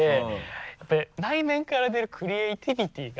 やっぱり内面から出るクリエイティビティが。